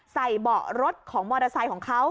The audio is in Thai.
เบาะรถของมอเตอร์ไซค์ของเขา